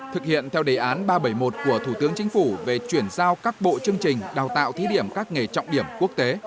thực hiện theo đề án ba trăm bảy mươi một của thủ tướng chính phủ về chuyển giao các bộ chương trình đào tạo thí điểm các nghề trọng điểm quốc tế